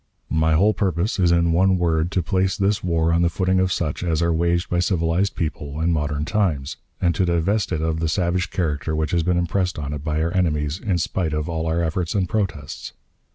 My whole purpose is in one word to place this war on the footing of such as are waged by civilized people in modern times, and to divest it of the savage character which has been impressed on it by our enemies, in spite of all our efforts and protests.